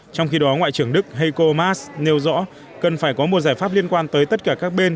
trong khi đó ngoại trưởng đức heiko maas nêu rõ cần phải có một giải pháp liên quan tới tất cả các bên